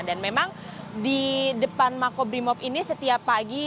dan memang di depan makobrimob ini setiap pagi